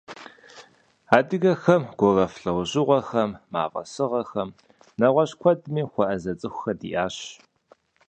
Адыгэхэм гуэрэф лӏэужьыгъуэхэм, мафӏэ сыгъэхэм, нэгъуэщӏ куэдми хуэӏэзэ цӏыхухэр диӏащ.